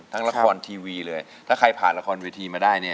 ละครทีวีเลยถ้าใครผ่านละครเวทีมาได้เนี่ย